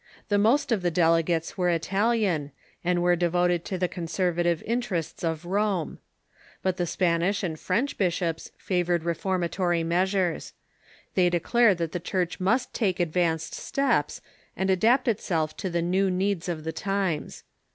Tlie most of the delegates were Italian, and were devoted to the conservative interests of Rome. But tlie Spanish and French bishops favored reformatory measures. They declared that the Church ^must take advanced steps, and adapt itself to the new needs of the times.